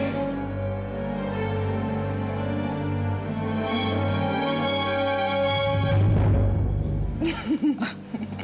aku gak mau